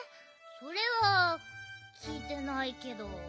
それはきいてないけど。